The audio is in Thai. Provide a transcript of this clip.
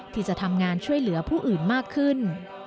ที่จะทำงานช่วยเหลือผู้อื่นมากขึ้น